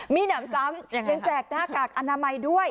มีหนามซ้ำอย่างไงค่ะเป็นแจกหน้ากากอนามัยด้วย